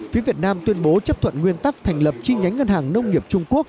phía việt nam tuyên bố chấp thuận nguyên tắc thành lập chi nhánh ngân hàng nông nghiệp trung quốc